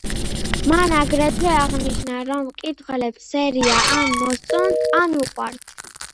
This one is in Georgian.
მან აგრეთვე აღნიშნა, რომ მკითხველებს სერია „ან მოსწონთ, ან უყვართ“.